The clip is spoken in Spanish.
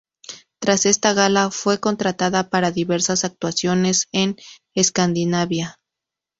Tras esta gala, fue contratada para diversas actuaciones en Escandinavia.